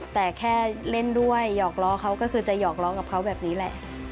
แต่แค่เล่นด้วยหยอกล้อเขาก็คือจะหอกล้อกับเขาแบบนี้แหละ